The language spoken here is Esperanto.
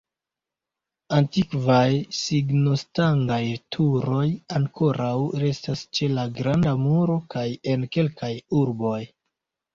Antikvaj signostangaj turoj ankoraŭ restas ĉe la Granda Muro kaj en kelkaj urboj.